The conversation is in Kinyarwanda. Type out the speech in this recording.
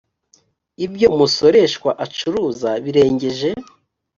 ibyo umusoreshwa acuruza birengeje